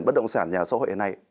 bất động sản nhà ở xã hội thế này